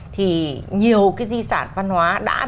thì nhiều cái di sản văn hóa